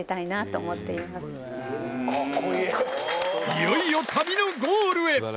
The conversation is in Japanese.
いよいよ旅のゴールへ！